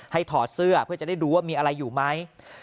ถอดเสื้อเพื่อจะได้ดูว่ามีอะไรอยู่ไหม